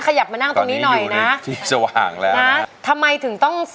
ขยับมานั่งตรงนี้หน่อยนะทิศสว่างแล้วนะทำไมถึงต้อง